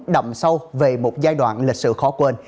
đậm sâu về một giai đoạn lịch sử khó quên